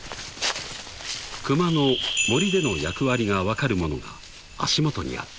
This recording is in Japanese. ［クマの森での役割が分かるものが足元にあった］